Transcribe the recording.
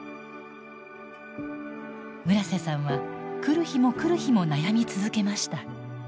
村瀬さんは来る日も来る日も悩み続けました。